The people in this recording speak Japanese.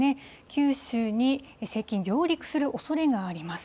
九州に接近、上陸するおそれがあります。